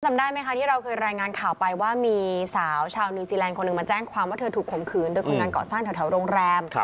จำได้ไหมคะที่เราเคยรายงานข่าวไปว่ามีสาวชาวนิวซีแลนด์คนหนึ่งมาแจ้งความว่าเธอถูกข่มขืนโดยคนงานเกาะสร้างแถวโรงแรม